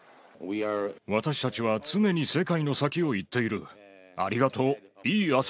私たちは常に世界の先を行っている。